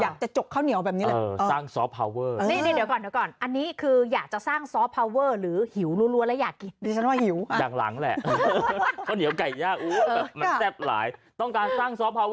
เอาจริงนะครับอันเนี้ยเป็นอย่างที่เป็นอันที่ยังไม่เคยได้คืออ่านข่าวอ่านข่าว